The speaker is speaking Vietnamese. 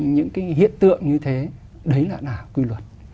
những cái hiện tượng như thế đấy là quy luật